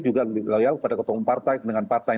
juga loyal pada ketemu partai dengan partai